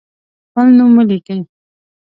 خپل نوم ولیکئ.